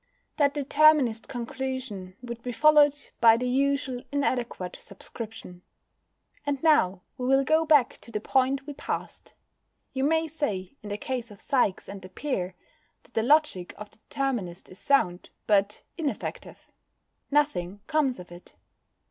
That Determinist conclusion would be followed by the usual inadequate subscription. And now we will go back to the point we passed. You may say, in the case of Sikes and the peer, that the logic of the Determinist is sound, but ineffective: nothing comes of it.